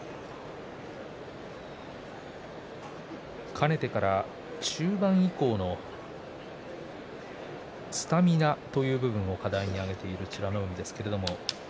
かねてから中盤以降のスタミナという部分を課題にあげている美ノ海です。